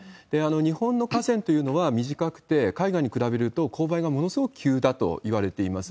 日本の河川というのは短くて、海外に比べると勾配がものすごく急だといわれています。